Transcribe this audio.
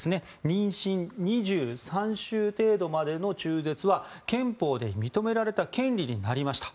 妊娠２３週程度までの中絶は憲法で認められた権利になりました。